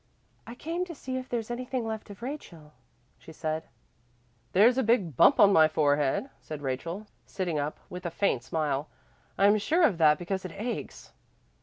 "I came to see if there's anything left of Rachel," she said. "There's a big bump on my forehead," said Rachel, sitting up in bed with a faint smile. "I'm sure of that because it aches."